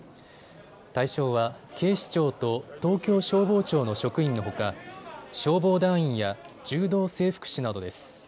対象は警視庁と東京消防庁の職員のほか消防団員や柔道整復師などです。